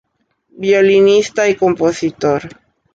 Violinista y compositor.